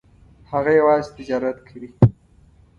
هغه یوازې تجارت کوي.